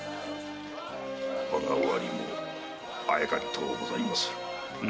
我が尾張もあやかりとうございます。